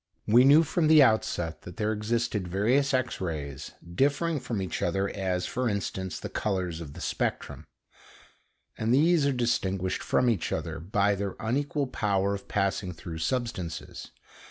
We knew from the outset that there existed various X rays differing from each other as, for instance, the colours of the spectrum, and these are distinguished from each other by their unequal power of passing through substances.